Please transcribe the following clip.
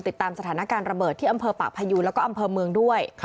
ติดตามสถานการณ์ระเบิดที่อำเภอปากพยูนแล้วก็อำเภอเมืองด้วย